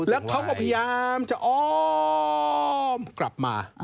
แล้วก็พยายามจะออ่อมากลับมา